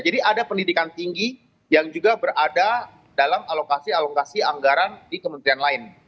jadi ada pendidikan tinggi yang juga berada dalam alokasi alokasi anggaran di kementerian lain